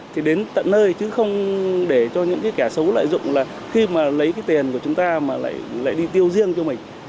thì đến tận nơi chứ không để cho những cái kẻ xấu lợi dụng là khi mà lấy cái tiền của chúng ta mà lại đi tiêu riêng cho mình